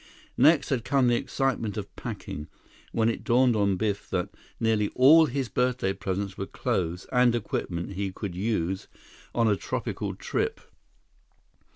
Next had come the excitement of packing, when it dawned on Biff that nearly all his birthday presents were clothes and equipment he could use on a tropical trip.